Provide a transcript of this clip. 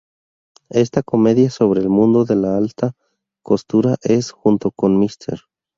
Esta comedia sobre el mundo de la alta costura es, junto con "Mr.